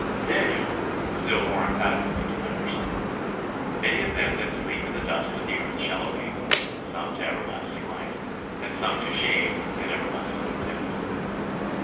" Daniel still more emphatically declares, "Many of them that sleep in the dust of the earth shall awake, some to everlasting life, and some to shame and everlasting contempt."